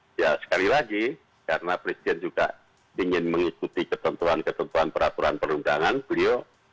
ya sekali lagi karena presiden juga ingin mengikuti ketentuan ketentuan peraturan perundangan beliau